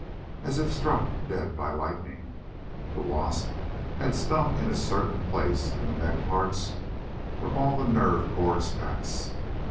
As if struck dead by lightning. The wasp had stung in a certain place in the neck parts where all the nerve cords pass.